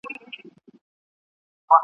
مقابله کولای سي ..